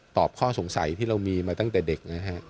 ตอบข้อสงสัยที่เรามีมาตั้งแต่เด็ก